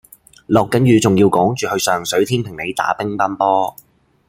落緊雨仲要趕住去上水天平里打乒乓波